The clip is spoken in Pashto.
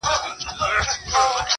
تر ښایست دي پر آواز باندي مین یم؛